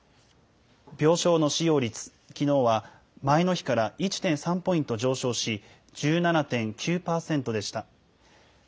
病床の使用率、きのうは前の日から１．３ポイント上昇し、１７．９％でした。